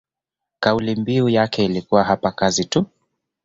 kauli mbiu yake ilikuwa hapa kazi tu